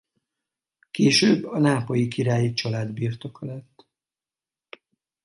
Később a nápolyi királyi család birtoka lett.